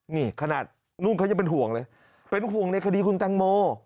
นี่ขนาดนู่นเขายังเป็นห่วงเลยเป็นห่วงในคดีคุณแตงโม